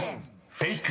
フェイク？］